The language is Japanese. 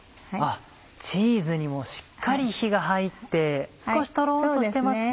チーズにもしっかり火が入って少しとろんとしてますね。